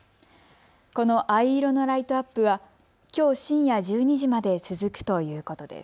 この藍色のライトアップはきょう深夜１２時まで続くということです。